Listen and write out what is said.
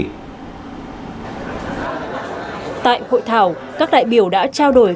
tại hội thảo các đại biểu đã trao đổi